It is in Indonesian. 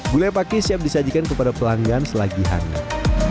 gulai paki siap disajikan kepada pelanggan selagi hangat